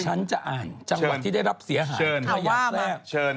ฉันจะอ่านจังหวัดที่ได้รับเสียหายเชิญพยานแทรกเชิญ